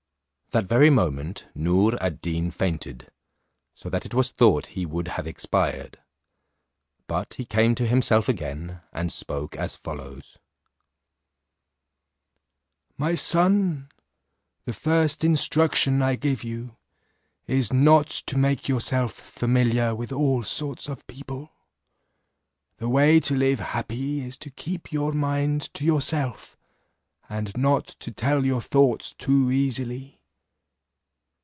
That very moment Noor ad Deen fainted, so that it was thought he would have expired; but he came to himself again, and spoke as follows: "My son, the first instruction I give you, is, Not to make yourself familiar with all sorts of people. The way to live happy is to keep your mind to yourself, and not to tell your thoughts too easily.